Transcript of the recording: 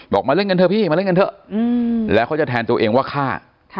มาเล่นกันเถอะพี่มาเล่นกันเถอะแล้วเขาจะแทนตัวเองว่าฆ่า